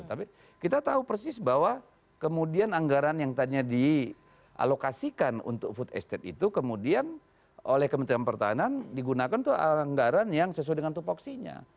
tapi kita tahu persis bahwa kemudian anggaran yang tadinya dialokasikan untuk food estate itu kemudian oleh kementerian pertahanan digunakan itu anggaran yang sesuai dengan tupoksinya